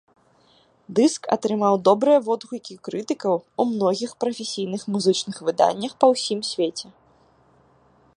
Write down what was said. Дыск атрымаў добрыя водгукі крытыкаў у многіх прафесійныя музычныя выданнях па ўсім свеце.